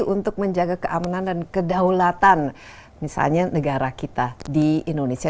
untuk menjaga keamanan dan kedaulatan misalnya negara kita di indonesia